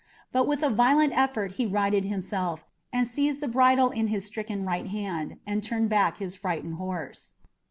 But with a violent effort he righted himself, seized the bridle in his stricken right hand, and turned back his frightened horse.